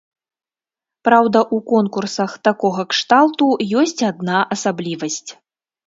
Праўда, у конкурсах такога кшталту ёсць адна асаблівасць.